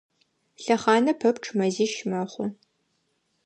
Лъэхъанэ пэпчъ мэзищ мэхъу.